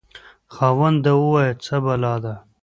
خاوند: وایه څه بلا ده؟